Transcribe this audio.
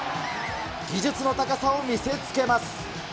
技術の高さを見せつけます。